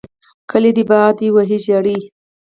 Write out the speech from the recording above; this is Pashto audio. کالې دې باد وهي ژړې.